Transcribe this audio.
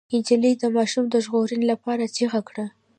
نجلۍ د ماشوم د ژغورنې لپاره چيغه کړه.